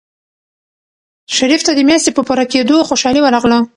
شریف ته د میاشتې په پوره کېدو خوشحالي ورغله.